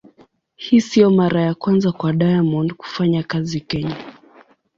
Hii sio mara ya kwanza kwa Diamond kufanya kazi Kenya.